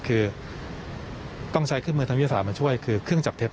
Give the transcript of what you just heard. คือต้องใช้เครื่องมือทางวิทยาศาสตร์มาช่วยคือเครื่องจับเท็จ